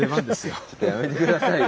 ちょっとやめて下さいよ。